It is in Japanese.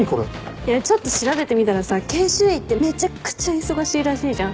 ちょっと調べてみたらさ研修医ってめちゃくちゃ忙しいらしいじゃん。